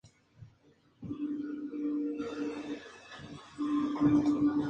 La acción se le denomina freír.